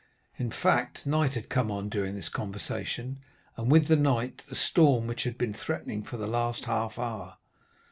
In fact, night had come on during this conversation, and with night the storm which had been threatening for the last half hour.